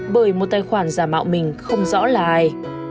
bởi một tài khoản giả mạo mình không rõ lại